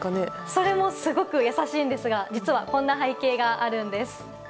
それもすごく優しいんですが実はこんな背景があるんです。